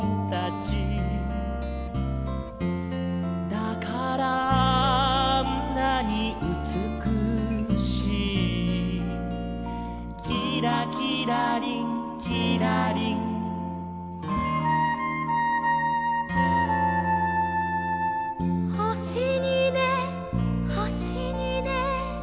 「だからあんなにうつくしい」「キラキラリンキラリン」「ほしにねほしにね」